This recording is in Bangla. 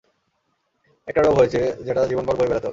একটা রোগ হয়েছে, যেটা জীবনভর বয়ে বেড়াতে হবে।